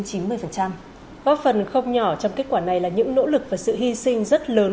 góp phần không nhỏ trong kết quả này là những nỗ lực và sự hy sinh rất lớn